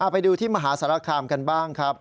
ไปดูที่มหาสารคามกันบ้างครับ